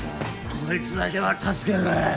こいつだけは助けろ。